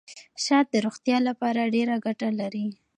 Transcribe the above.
شات د روغتیا لپاره ډېره ګټه لري.